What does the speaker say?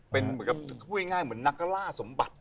เป็นเหมือนกับช่วยง่ายเหมือนนักล่าสมบัติ